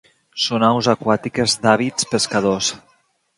Són aus aquàtiques d'hàbits pescadors.